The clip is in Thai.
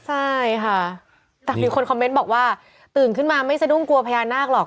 ใช่ค่ะแต่มีคนบอกว่าตื่นขึ้นมาไม่สนุกกับพญานาคหรอก